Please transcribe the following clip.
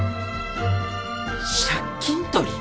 借金取り！？